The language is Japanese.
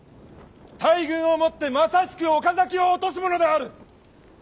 大軍をもってまさしく岡崎を落とすものである！